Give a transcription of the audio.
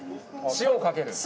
塩かける？